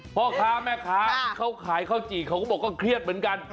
พ่อค้าแม่ค้าที่เขาขายข้าวจี่เขาก็บอกว่าเครียดเหมือนกัน